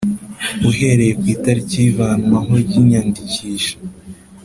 Uhereye ku itariki y ivanwaho ry iyandikisha